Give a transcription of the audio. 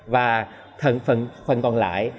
và phần còn lại